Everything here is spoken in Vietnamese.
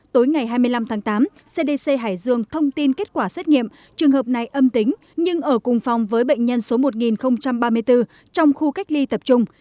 tối ngày hai mươi năm tháng tám cdc hải dương thông tin kết quả xét nghiệm trường hợp này âm tính nhưng ở cùng phòng với bệnh nhân số một nghìn ba mươi bốn trong khu cách ly tập trung